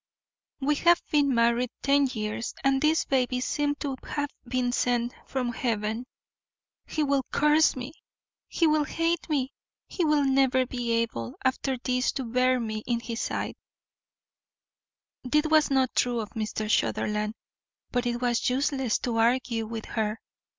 "We have been married ten years and this baby seemed to have been sent from heaven. He will curse me, he will hate me, he will never be able after this to bear me in his sight." This was not true of Mr. Sutherland, but it was useless to argue with her.